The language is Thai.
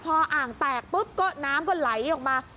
พออ่างแตกปุ๊บก็น้ำก็ไหลออกมา